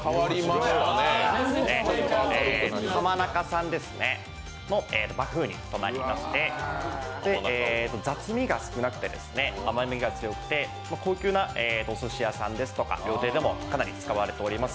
浜中産のバフンうにとなりまして、雑味が少なくて甘みが強くて、高級なおすし屋さんですとか料亭などでかなり使われております